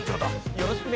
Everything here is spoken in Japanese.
よろしくね！